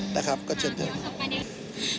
นะครับก็เชิญเท่านั้น